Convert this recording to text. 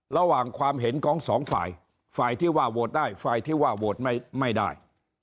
ระหว่างความเห็นของสองฝ่ายฝ่ายที่ว่าโหวตได้ฝ่ายที่ว่าโหวตไม่ได้